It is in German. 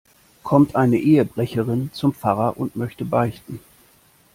Kommt eine Ehebrecherin zum Pfarrer und möchte beichten.